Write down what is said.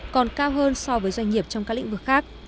còn cao hơn so với doanh nghiệp trong các lĩnh vực khác